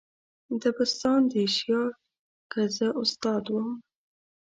دبستان د ایشیا که زه استاد وم.